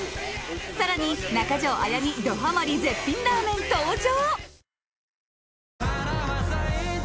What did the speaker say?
更に中条あやみどハマりの絶品ラーメン登場。